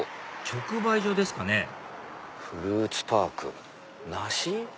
直売所ですかねフルーツパーク梨？